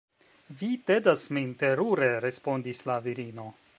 Vi tedas min terure, respondis la virino.